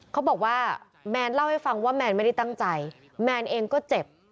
เขาบอกว่าแมนเล่าให้ฟังว่าแมนไม่ได้ตั้งใจแมนเองก็เจ็บ